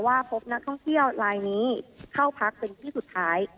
พบนักท่องเที่ยวลายนี้เข้าพักเป็นที่สุดท้าย